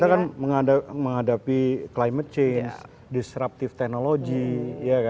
kita kan menghadapi climate change disruptive technology